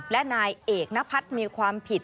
และนายเอกนพัฒน์มีความผิด